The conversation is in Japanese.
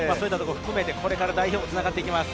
これから代表につながっていきます。